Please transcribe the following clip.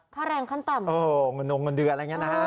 ค่าแรงขั้นต่ำเออเงินนงเงินเดือนอะไรอย่างนี้นะฮะ